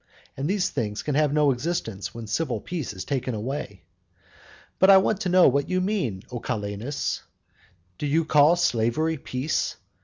and these things can have no existence when civil peace is taken away. But I want to know what you mean, O Calenus? Do you call slavery peace?